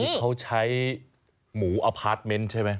นี่เขาใช้หมูอพาร์ทเมนต์ใช่ไหม